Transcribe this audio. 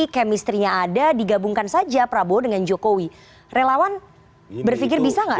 kemistrinya ada digabungkan saja prabowo dengan jokowi relawan berpikir bisa nggak